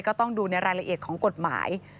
ก็ต้องดูในรายละเอียดของกฎหมาย